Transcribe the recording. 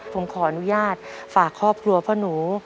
ผมขออนุญาตฝากครอบครัวพ่อหนู